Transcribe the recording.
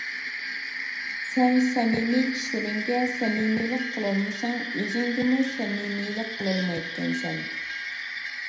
سەن سەمىمىي كىشىلىرىڭگە سەمىمىيلىك قىلالمىساڭ، ئۆزۈڭگىمۇ سەمىمىيلىك قىلالمايدىكەنسەن.